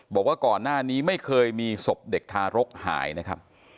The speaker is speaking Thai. บอกว่าก่อนหน้านี้ไม่เคยมีศพเด็กทารกหายนะครับ